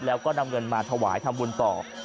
แล้วก็นำเงินมาถวายทำบุญต่อ